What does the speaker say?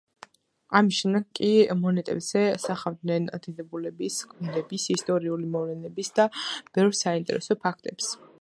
ამის შემდეგ კი მონეტებზე სახავდნენ დიდებულების, გმირების, ისტორიული მოვლენების და ბევრ საინტერესო ფაქტებს.